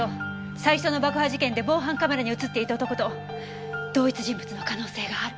最初の爆破事件で防犯カメラに映っていた男と同一人物の可能性がある。